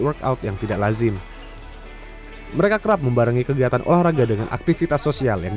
workout yang tidak lazim mereka kerap membarangi kegiatan olahraga dengan aktivitas sosial yang